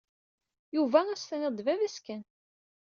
Yuba ad s-tiniḍ d baba-s kan.